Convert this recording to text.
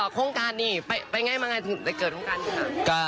โครงการนี้ไปไงมาไงถึงได้เกิดโครงการนี้